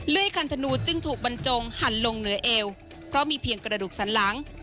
ยคันธนูจึงถูกบรรจงหั่นลงเหนือเอวเพราะมีเพียงกระดูกสันหลัง